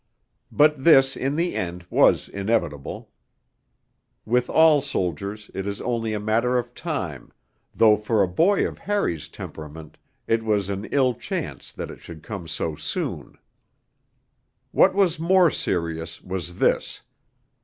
But this, in the end, was inevitable; with all soldiers it is only a matter of time, though for a boy of Harry's temperament it was an ill chance that it should come so soon. What was more serious was this.